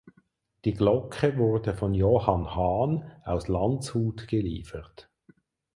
Die Glocke wurde von Johann Hahn aus Landshut geliefert.